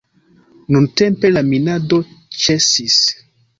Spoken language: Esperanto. Nuntempe la minado ĉesis.